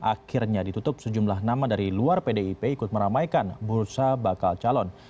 akhirnya ditutup sejumlah nama dari luar pdip ikut meramaikan bursa bakal calon